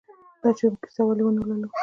دا چې موږ کیسه ولې نه لولو؟